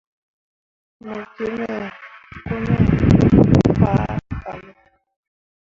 Mo gi me kuumo fah fale.